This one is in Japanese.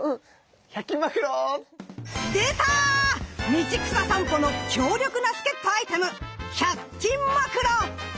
道草さんぽの強力な助っとアイテム１００均マクロ！